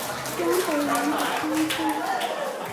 江北人的称呼。